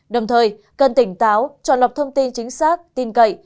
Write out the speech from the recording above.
đồng thời cần tỉnh táo chọn lọc thông tin chính xác tin cậy